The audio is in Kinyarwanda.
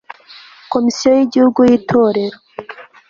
komisiyo y'igihugu y'itorero